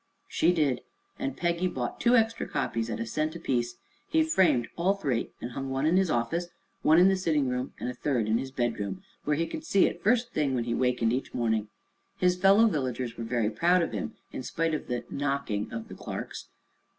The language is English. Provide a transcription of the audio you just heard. She did, and Peggy bought two extra copies, at a cent apiece. He framed all three and hung one in his office, one in the sitting room and a third in his bedroom, where he could see it the first thing when he wakened each morning. His fellow villagers were very proud of him, in spite of the "knocking" of the Clarks.